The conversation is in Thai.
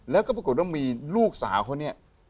แล้วก็ปรากฏว่ามีลูกสาวเขาเนี่ย